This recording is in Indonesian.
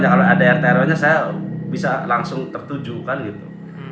kalau ada rtrw nya saya bisa langsung tertujukan gitu